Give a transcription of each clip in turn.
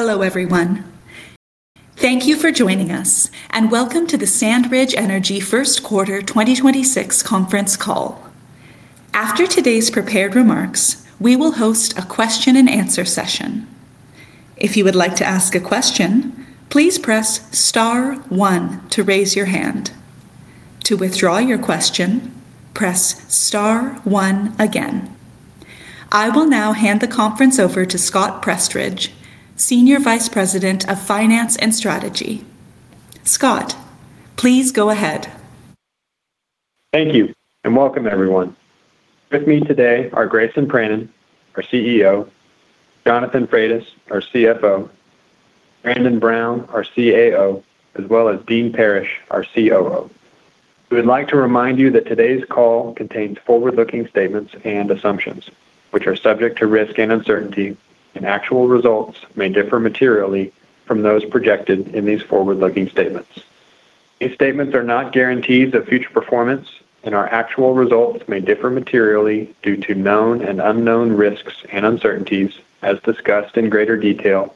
Hello, everyone. Thank you for joining us, and welcome to the SandRidge Energy 1st quarter 2026 conference call. After today's prepared remarks, we will host a question and answer session. If you would like to ask a question, please press star one to raise your hand. To withdraw your question, press star one again. I will now hand the conference over to Scott Prestridge, Senior Vice President of Finance and Strategy. Scott, please go ahead. Thank you, welcome everyone. With me today are Grayson Pranin, our CEO, Jonathan Frates, our CFO, Brandon Brown, our CAO, as well as Dean Parrish, our COO. We would like to remind you that today's call contains forward-looking statements and assumptions, which are subject to risk and uncertainty, and actual results may differ materially from those projected in these forward-looking statements. These statements are not guarantees of future performance, and our actual results may differ materially due to known and unknown risks and uncertainties as discussed in greater detail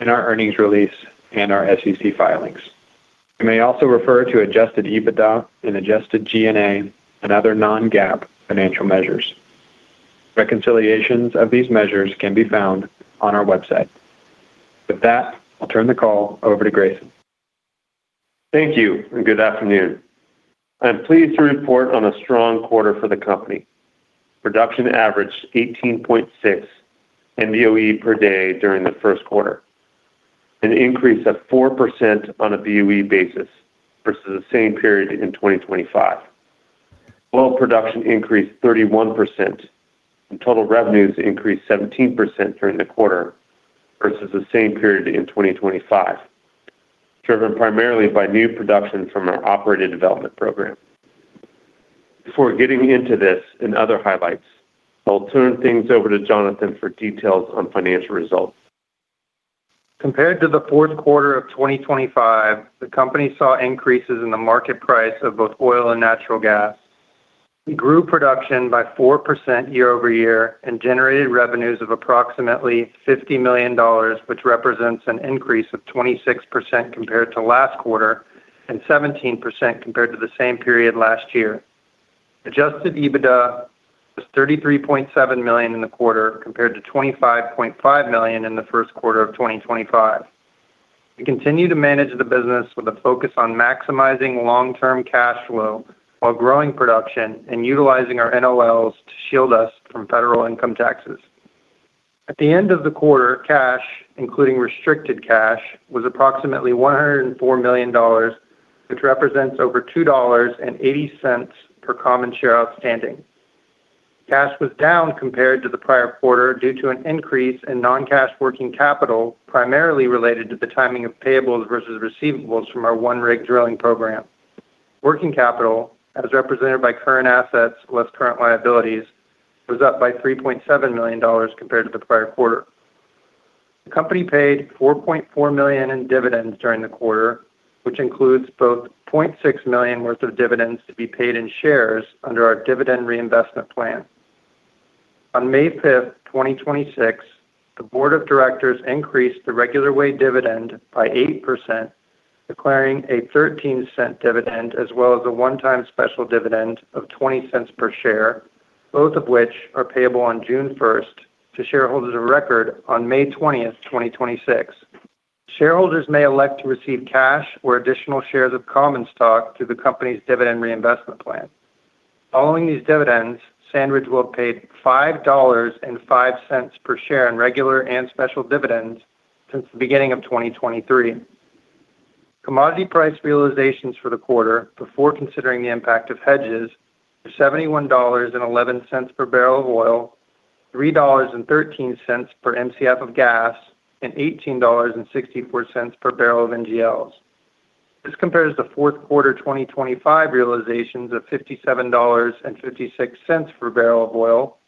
in our earnings release and our SEC filings. We may also refer to adjusted EBITDA and adjusted G&A and other non-GAAP financial measures. Reconciliations of these measures can be found on our website. With that, I'll turn the call over to Grayson. Thank you, and good afternoon. I'm pleased to report on a strong quarter for the company. Production averaged 18.6 Mboe per day during the first quarter, an increase of 4% on a BOE basis versus the same period in 2025. Oil production increased 31%, and total revenues increased 17% during the quarter versus the same period in 2025, driven primarily by new production from our operated development program. Before getting into this and other highlights, I'll turn things over to Jonathan Frates for details on financial results. Compared to the fourth quarter of 2025, the company saw increases in the market price of both oil and natural gas. We grew production by 4% year-over-year and generated revenues of approximately $50 million, which represents an increase of 26% compared to last quarter and 17% compared to the same period last year. Adjusted EBITDA was $33.7 million in the quarter compared to $25.5 million in the first quarter of 2025. We continue to manage the business with a focus on maximizing long-term cash flow while growing production and utilizing our NOLs to shield us from federal income taxes. At the end of the quarter, cash, including restricted cash, was approximately $104 million, which represents over $2.80 per common share outstanding. Cash was down compared to the prior quarter due to an increase in non-cash working capital, primarily related to the timing of payables versus receivables from our one-rig drilling program. Working capital, as represented by current assets less current liabilities, was up by $3.7 million compared to the prior quarter. The company paid $4.4 million in dividends during the quarter, which includes $0.6 million worth of dividends to be paid in shares under our dividend reinvestment plan. On May 5th, 2026, the board of directors increased the regular cash dividend by 8%, declaring a $0.13 dividend as well as a one-time special dividend of $0.20 per share, both of which are payable on June 1st to shareholders of record on May 20th, 2026. Shareholders may elect to receive cash or additional shares of common stock through the company's dividend reinvestment plan. Following these dividends, SandRidge will have paid $5.05 per share in regular and special dividends since the beginning of 2023. Commodity price realizations for the quarter before considering the impact of hedges were $71.11 per barrel of oil, $3.13 per Mcf of gas, and $18.64 per barrel of NGLs. This compares to the fourth quarter 2025 realizations of $57.56 per barrel of oil,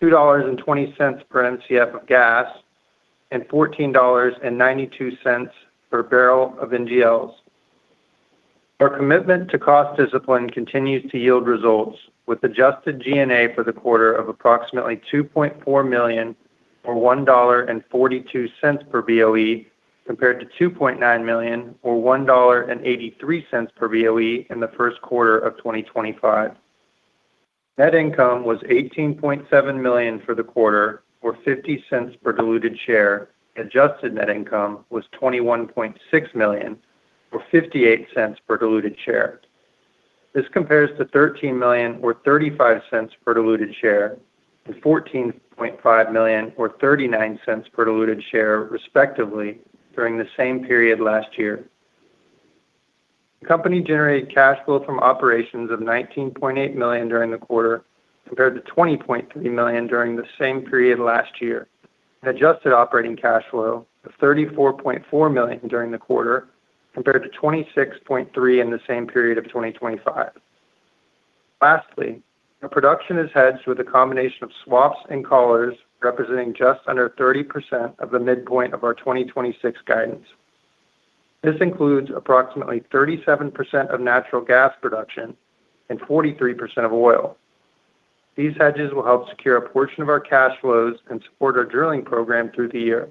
$2.20 per Mcf of gas, and $14.92 per barrel of NGLs. Our commitment to cost discipline continues to yield results with adjusted G&A for the quarter of approximately $2.4 million or $1.42 per BOE compared to $2.9 million or $1.83 per BOE in the first quarter of 2025. Net income was $18.7 million for the quarter or $0.50 per diluted share. Adjusted net income was $21.6 million or $0.58 per diluted share. This compares to $13 million or $0.35 per diluted share to $14.5 million or $0.39 per diluted share, respectively, during the same period last year. The company generated cash flow from operations of $19.8 million during the quarter compared to $20.3 million during the same period last year, and adjusted operating cash flow of $34.4 million during the quarter compared to $26.3 million in the same period of 2025. Lastly, our production is hedged with a combination of swaps and collars representing just under 30% of the midpoint of our 2026 guidance. This includes approximately 37% of natural gas production and 43% of oil. These hedges will help secure a portion of our cash flows and support our drilling program through the year.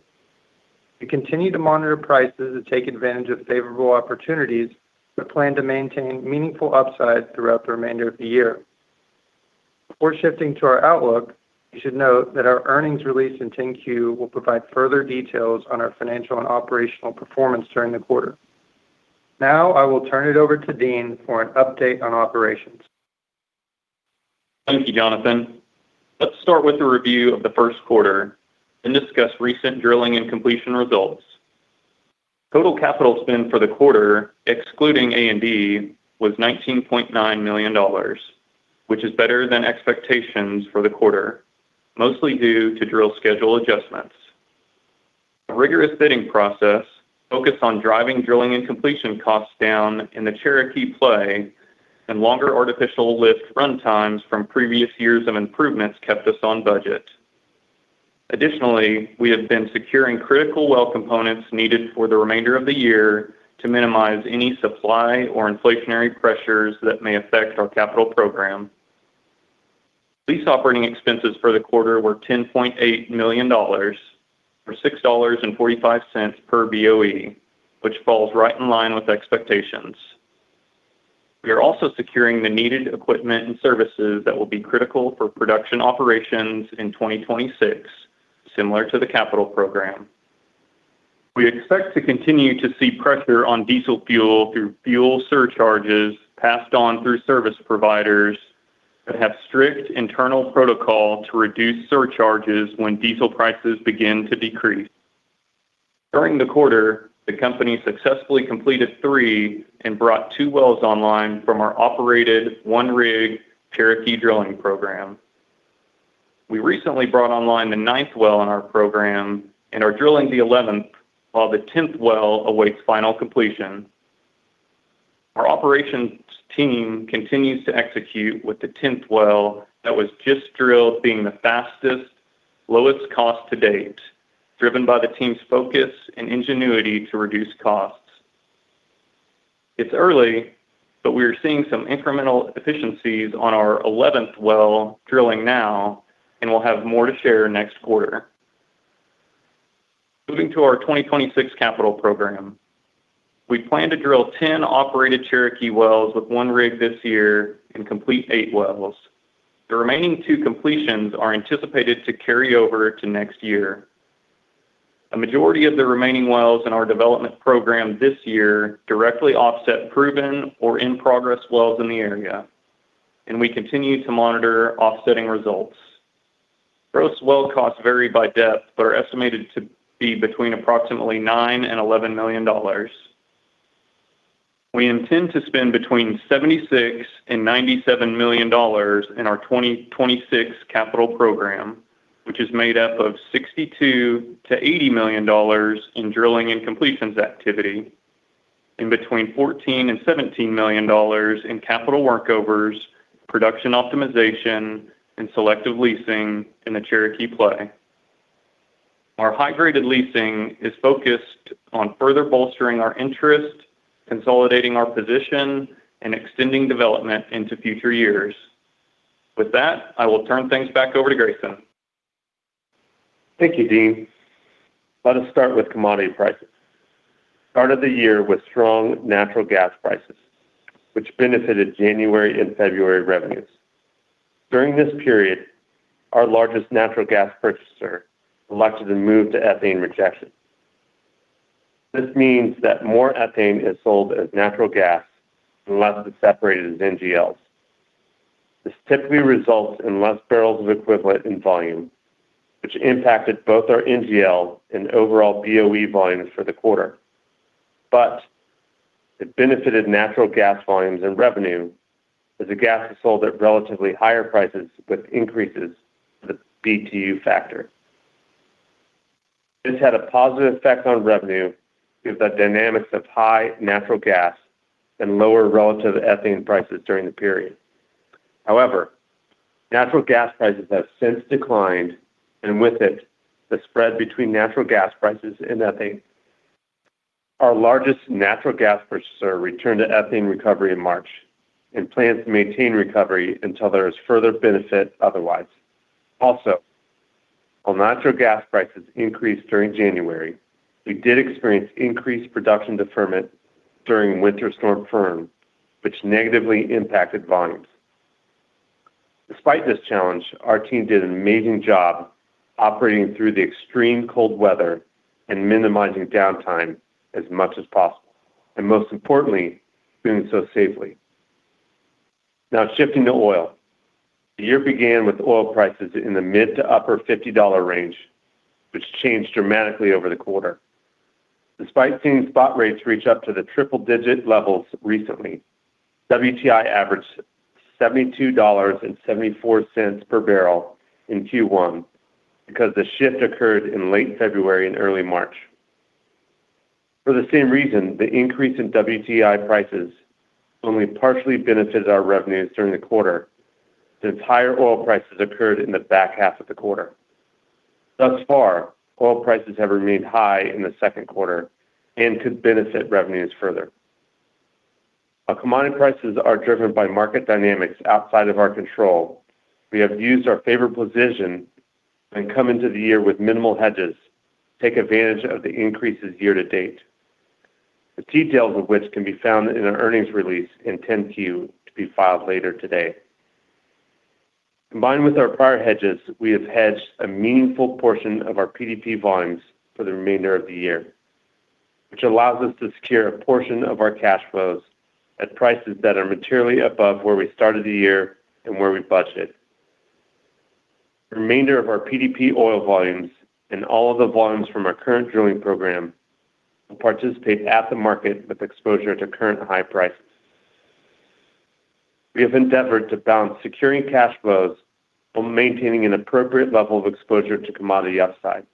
We continue to monitor prices and take advantage of favorable opportunities, but plan to maintain meaningful upside throughout the remainder of the year. Before shifting to our outlook, you should note that our earnings release in 10-Q will provide further details on our financial and operational performance during the quarter. Now I will turn it over to Dean for an update on operations. Thank you, Jonathan. Let's start with a review of the first quarter and discuss recent drilling and completion results. Total capital spend for the quarter, excluding A&D, was $19.9 million, which is better than expectations for the quarter, mostly due to drill schedule adjustments. A rigorous bidding process focused on driving drilling and completion costs down in the Cherokee Group and longer artificial lift runtimes from previous years of improvements kept us on budget. We have been securing critical well components needed for the remainder of the year to minimize any supply or inflationary pressures that may affect our capital program. Lease operating expenses for the quarter were $10.8 million, or $6.45 per BOE, which falls right in line with expectations. We are also securing the needed equipment and services that will be critical for production operations in 2026, similar to the capital program. We expect to continue to see pressure on diesel fuel through fuel surcharges passed on through service providers that have strict internal protocol to reduce surcharges when diesel prices begin to decrease. During the quarter, the company successfully completed three and brought two wells online from our operated one-rig Cherokee drilling program. We recently brought online the ninth well in our program and are drilling the 11th while the 10th well awaits final completion. Our operations team continues to execute with the 10th well that was just drilled being the fastest, lowest cost to date, driven by the team's focus and ingenuity to reduce costs. It's early, but we are seeing some incremental efficiencies on our 11th well drilling now, and we'll have more to share next quarter. Moving to our 2026 capital program. We plan to drill 10 operated Cherokee wells with one rig this year and complete eight wells. The remaining two completions are anticipated to carry over to next year. A majority of the remaining wells in our development program this year directly offset proven or in-progress wells in the area, and we continue to monitor offsetting results. Gross well costs vary by depth but are estimated to be between approximately $9 million and $11 million. We intend to spend between $76 million and $97 million in our 2026 capital program, which is made up of $62 million-$80 million in drilling and completions activity and between $14 million and $17 million in capital workovers, production optimization, and selective leasing in the Cherokee Play. Our high-graded leasing is focused on further bolstering our interest, consolidating our position, and extending development into future years. With that, I will turn things back over to Grayson. Thank you, Dean. Let us start with commodity prices. Start of the year with strong natural gas prices, which benefited January and February revenues. During this period, our largest natural gas purchaser elected to move to ethane rejection. This means that more ethane is sold as natural gas unless it's separated as NGLs. This typically results in less barrels of equivalent in volume, which impacted both our NGL and overall BOE volumes for the quarter. It benefited natural gas volumes and revenue as the gas is sold at relatively higher prices with increases to the BTU factor. This had a positive effect on revenue due to the dynamics of high natural gas and lower relative ethane prices during the period. However, natural gas prices have since declined, and with it, the spread between natural gas prices and ethane. Our largest natural gas purchaser returned to ethane recovery in March and plans to maintain recovery until there is further benefit otherwise. While natural gas prices increased during January, we did experience increased production deferment during Winter Storm Finn, which negatively impacted volumes. Despite this challenge, our team did an amazing job operating through the extreme cold weather and minimizing downtime as much as possible, and most importantly, doing so safely. Now shifting to oil. The year began with oil prices in the mid to upper $50 range, which changed dramatically over the quarter. Despite seeing spot rates reach up to the triple-digit levels recently, WTI averaged $72.74 per barrel in Q1 because the shift occurred in late February and early March. For the same reason, the increase in WTI prices only partially benefited our revenues during the quarter since higher oil prices occurred in the back half of the quarter. Thus far, oil prices have remained high in the second quarter and could benefit revenues further. Our commodity prices are driven by market dynamics outside of our control. We have used our favored position and come into the year with minimal hedges to take advantage of the increases year to date. The details of which can be found in an earnings release in 10-Q to be filed later today. Combined with our prior hedges, we have hedged a meaningful portion of our PDP volumes for the remainder of the year, which allows us to secure a portion of our cash flows at prices that are materially above where we started the year and where we budgeted. The remainder of our PDP oil volumes and all of the volumes from our current drilling program will participate at the market with exposure to current high prices. We have endeavored to balance securing cash flows while maintaining an appropriate level of exposure to commodity upside.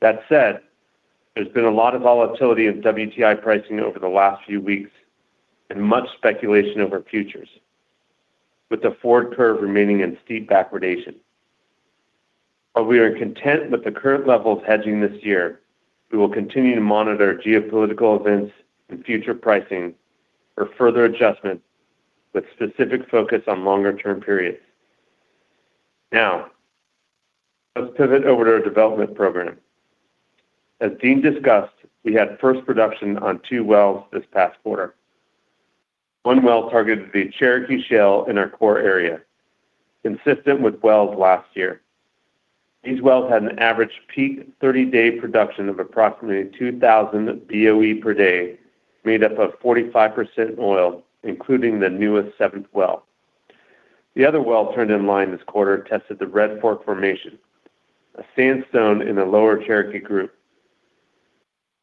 That said, there's been a lot of volatility in WTI pricing over the last few weeks and much speculation over futures with the forward curve remaining in steep backwardation. While we are content with the current level of hedging this year, we will continue to monitor geopolitical events and future pricing for further adjustments with specific focus on longer-term periods. Now, let's pivot over to our development program. As Dean, discussed, we had first production on two wells this past quarter. One well targeted the Cherokee Group in our core area, consistent with wells last year. These wells had an average peak 30-day production of approximately 2,000 BOE per day, made up of 45% oil, including the newest seventh well. The other well turned in line this quarter tested the Red Fork formation, a sandstone in the lower Cherokee Group.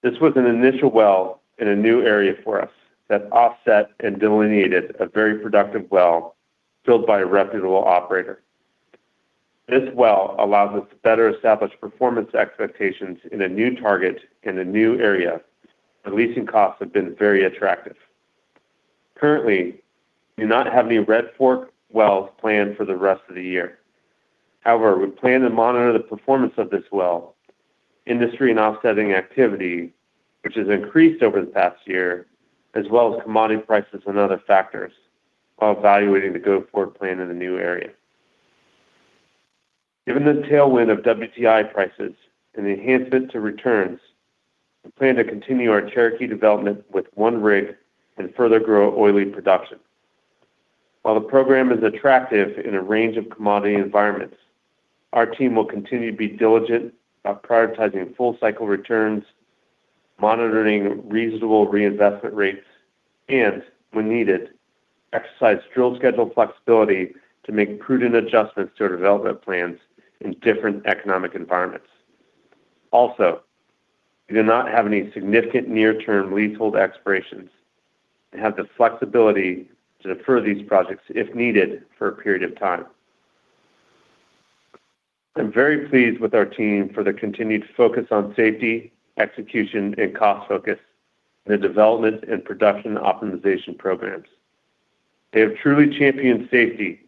This was an initial well in a new area for us that offset and delineated a very productive well drilled by a reputable operator. This well allows us to better establish performance expectations in a new target in a new area. Leasing costs have been very attractive. Currently, we do not have any Red Fork wells planned for the rest of the year. We plan to monitor the performance of this well, industry and offsetting activity, which has increased over the past year, as well as commodity prices and other factors while evaluating the go-forward plan in the new area. Given the tailwind of WTI prices and the enhancement to returns, we plan to continue our Cherokee development with one rig and further grow oily production. While the program is attractive in a range of commodity environments, our team will continue to be diligent about prioritizing full-cycle returns, monitoring reasonable reinvestment rates, and when needed, exercise drill schedule flexibility to make prudent adjustments to our development plans in different economic environments. We do not have any significant near-term leasehold expirations and have the flexibility to defer these projects if needed for a period of time. I'm very pleased with our team for their continued focus on safety, execution, and cost focus in the development and production optimization programs. They have truly championed safety,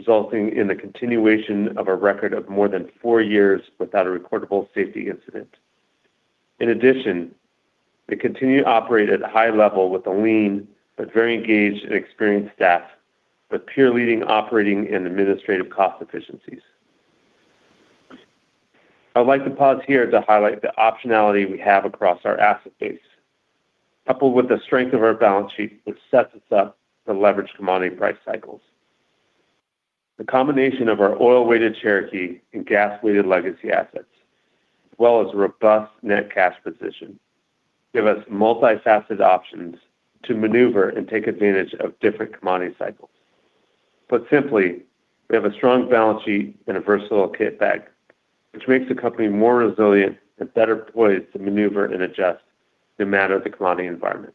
resulting in the continuation of a record of more than four years without a reportable safety incident. They continue to operate at a high level with a lean but very engaged and experienced staff with peer-leading operating and administrative cost efficiencies. I'd like to pause here to highlight the optionality we have across our asset base, coupled with the strength of our balance sheet, which sets us up to leverage commodity price cycles. The combination of our oil-weighted Cherokee and gas-weighted legacy assets, as well as a robust net cash position, give us multifaceted options to maneuver and take advantage of different commodity cycles. Put simply, we have a strong balance sheet and a versatile kit bag, which makes the company more resilient and better poised to maneuver and adjust no matter the commodity environment.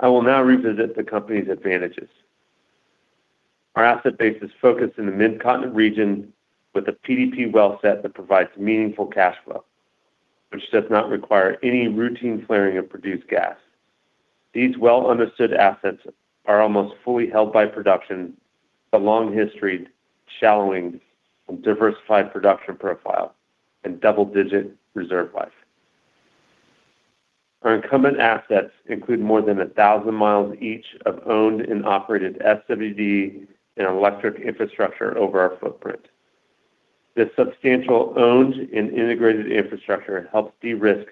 I will now revisit the company's advantages. Our asset base is focused in the Mid-Continent region with a PDP well set that provides meaningful cash flow, which does not require any routine flaring of produced gas. These well-understood assets are almost fully held by production with a long history, shallowing, and diversified production profile and double-digit reserve life. Our incumbent assets include more than 1,000 miles each of owned and operated SWD and electric infrastructure over our footprint. This substantial owned and integrated infrastructure helps de-risk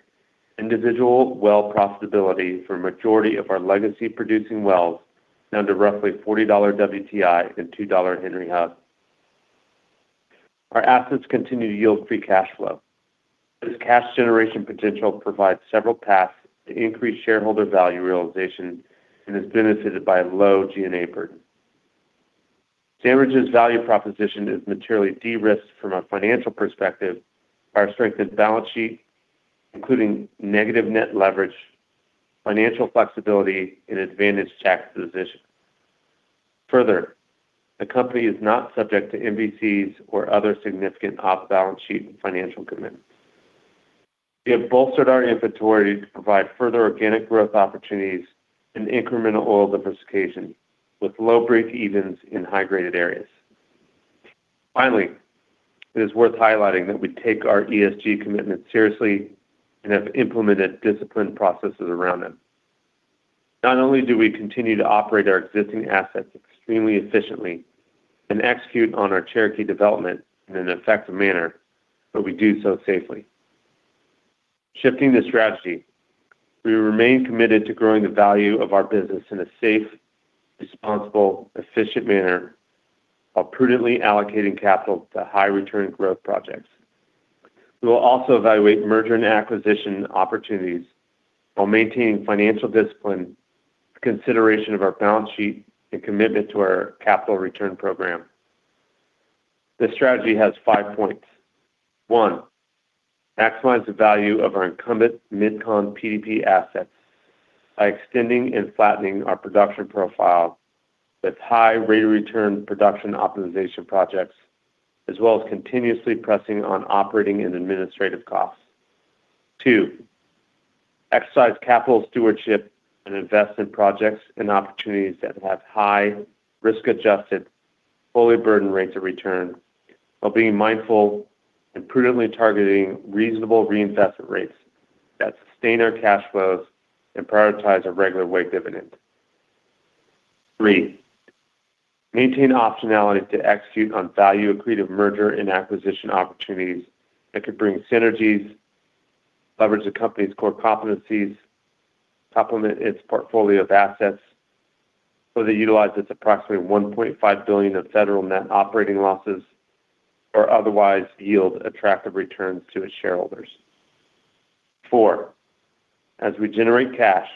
individual well profitability for a majority of our legacy producing wells down to roughly $40 WTI and $2 Henry Hub. Our assets continue to yield free cash flow. This cash generation potential provides several paths to increase shareholder value realization and is benefited by a low G&A burden. SandRidge's value proposition is materially de-risked from a financial perspective by our strengthened balance sheet, including negative net leverage, financial flexibility, and advantaged tax position. Further, the company is not subject to MVCs or other significant off-balance sheet financial commitments. We have bolstered our inventory to provide further organic growth opportunities and incremental oil diversification with low break evens in high-graded areas. Finally, it is worth highlighting that we take our ESG commitment seriously and have implemented disciplined processes around them. Not only do we continue to operate our existing assets extremely efficiently and execute on our Cherokee development in an effective manner, but we do so safely. Shifting the strategy, we remain committed to growing the value of our business in a safe, responsible, efficient manner while prudently allocating capital to high return growth projects. We will also evaluate merger and acquisition opportunities while maintaining financial discipline, consideration of our balance sheet, and commitment to our capital return program. This strategy has five points: one maximize the value of our incumbent MidCon PDP assets by extending and flattening our production profile with high rate of return production optimization projects as well as continuously pressing on operating and administrative costs. Two, exercise capital stewardship and invest in projects and opportunities that have high risk-adjusted, fully burdened rates of return while being mindful and prudently targeting reasonable reinvestment rates that sustain our cash flows and prioritize our regular weight dividend. Three, maintain optionality to execute on value accretive merger and acquisition opportunities that could bring synergies, leverage the company's core competencies, complement its portfolio of assets, they utilize its approximately $1.5 billion of federal Net Operating Losses or otherwise yield attractive returns to its shareholders. Four, as we generate cash,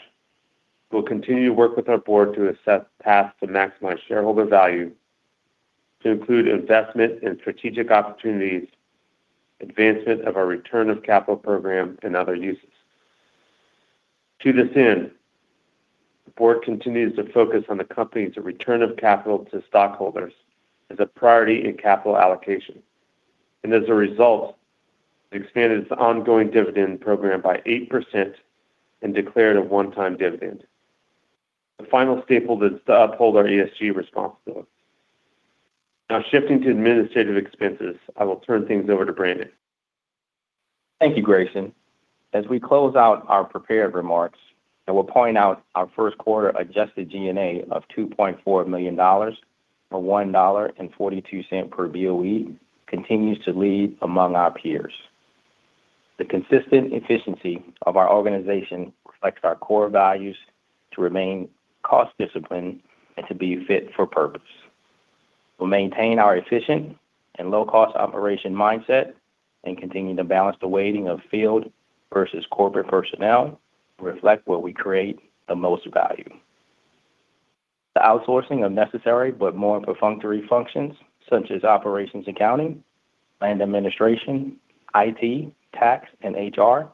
we'll continue to work with our board to assess paths to maximize shareholder value to include investment in strategic opportunities, advancement of our return of capital program, and other uses. To this end, the board continues to focus on the company's return of capital to stockholders as a priority in capital allocation, and as a result, expanded its ongoing dividend program by 8% and declared a one-time dividend. The final staple is to uphold our ESG responsibility. Shifting to administrative expenses, I will turn things over to Brandon. Thank you, Grayson. As we close out our prepared remarks, I will point out our first quarter adjusted G&A of $2.4 million, or $1.42 per BOE, continues to lead among our peers. The consistent efficiency of our organization reflects our core values to remain cost discipline and to be fit for purpose. We'll maintain our efficient and low-cost operation mindset and continue to balance the weighting of field versus corporate personnel to reflect where we create the most value. The outsourcing of necessary but more perfunctory functions, such as operations accounting, land administration, IT, tax, and HR,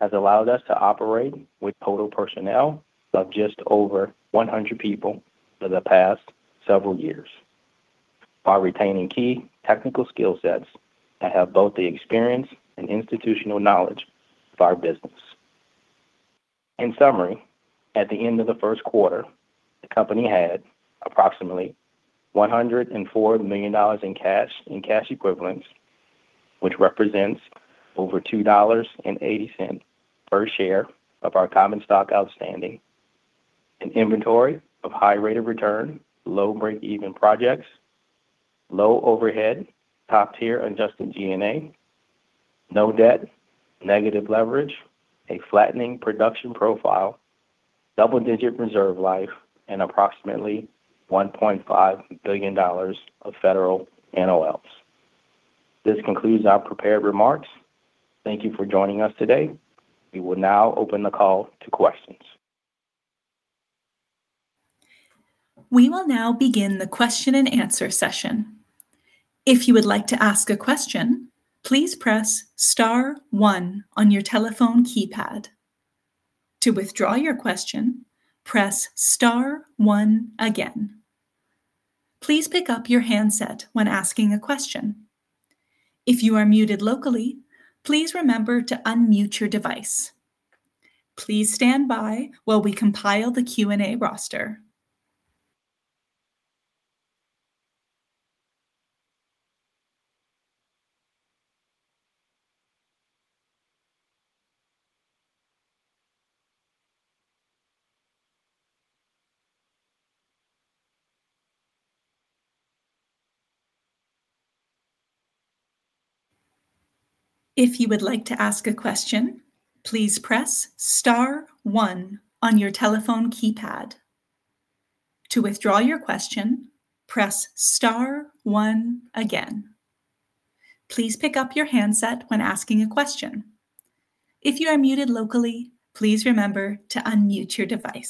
has allowed us to operate with total personnel of just over 100 people for the past several years while retaining key technical skill sets that have both the experience and institutional knowledge of our business. In summary, at the end of the first quarter, the company had approximately $104 million in cash and cash equivalents, which represents over $2.80 per share of our common stock outstanding, an inventory of high rate of return, low break-even projects, low overhead, top-tier adjusted G&A, no debt, negative leverage, a flattening production profile, double-digit reserve life, and approximately $1.5 billion of federal NOLs. This concludes our prepared remarks. Thank you for joining us today. We will now open the call to questions. We will now begin the question and answer session. If you would like to ask a question, please press star one on your telephone keypad. To withdraw your question, press star one again. Please pick up your handset when asking a question. If you are muted locally, please remember to unmute your device. Please stand by while we compile the Q&A roster. If you would like to ask a question, please press star one on your telephone keypad. To withdraw your question, press star one again. Please pick up your handset when asking a question. If you are muted locally, please remember to unmute your device